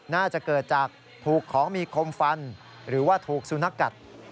น่าจะเกิดจากถูกของมีคมฟันหรือว่าถูกสุนัขกัด